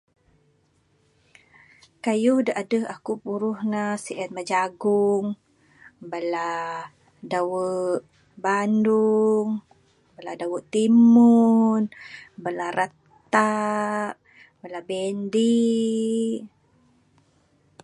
Kayuh da adeh aku puruh ne sien mah jagung, bala dawu banung, bala dawu timun, bala ratak, bala bendi.